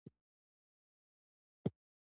دا توافق د عام عقل پر بنسټ ترسره کیږي.